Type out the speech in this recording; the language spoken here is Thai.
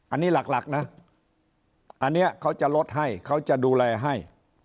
อันนี้หลักนะอันนี้เขาจะลดให้เขาจะดูแลให้